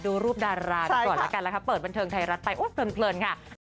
ดูรูปดารากันก่อนแล้วกันนะคะเปิดบันเทิงไทยรัฐไปเพลินค่ะ